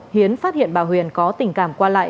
hiến phát hiện bà huyền có tình cảm qua lại